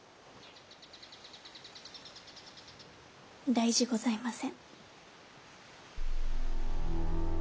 大事ございません。